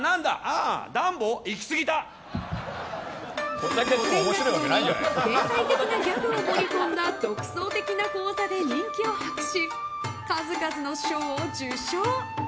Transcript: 古典落語に天才的なギャグを盛り込んだ独創的な高座で人気を博し数々の賞を受賞。